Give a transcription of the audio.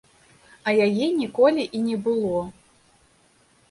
А яе ніколі і не было.